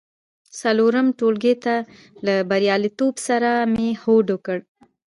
څلورم ټولګي ته له بریالیتوب سره مې هوډ وکړ.